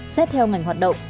xét theo ngành hoạt động